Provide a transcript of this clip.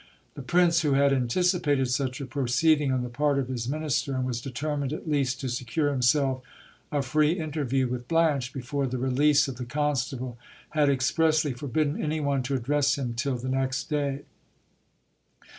The prince, who had anticipated such a proceeding on the part of his minister, and was determined at least to secure himself a iree interview with Blanche before the release of the constable, had expressly forbidden any one to address him till the next day.